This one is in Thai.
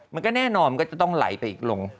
มันก็แน่นอนมันก็จะต้องไหลไปอีกลง